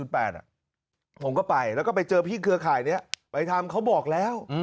ผมก็ไปแล้วก็ไปเจอพี่เครือข่ายนี้ไปทำเขาบอกแล้ว